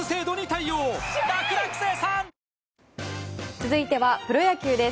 続いてはプロ野球です。